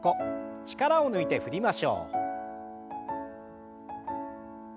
力を抜いて振りましょう。